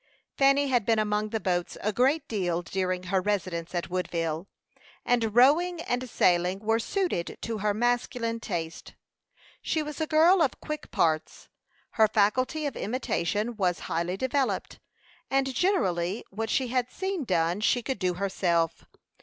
Fanny had been among the boats a great deal during her residence at Woodville, and rowing and sailing were suited to her masculine taste. She was a girl of quick parts; her faculty of imitation was highly developed, and generally what she had seen done she could do herself.